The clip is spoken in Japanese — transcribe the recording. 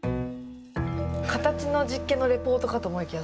形の実験のレポートかと思いきや